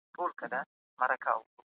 ايا سياست يوازي د واک لپاره دی؟